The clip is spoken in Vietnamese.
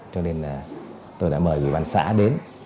cho nên là tôi đã mời gửi bàn xã đến